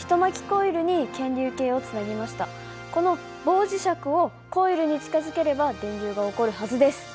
この棒磁石をコイルに近づければ電流が起こるはずです。